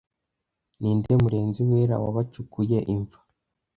Ninde Murinzi Wera Wabacukuye Imva